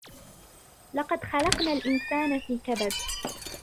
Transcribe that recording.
لقد خلقنا الإنسان في كبد